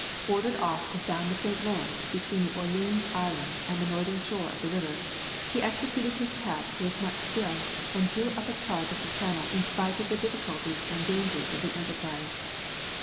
Ordered off to sound the St. Lawrence between Orleans Island and the northern shore of the river, he executed his task with much skill, and drew up a chart of the channel in spite of the difficulties and dangers of the enterprise.